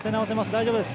大丈夫です。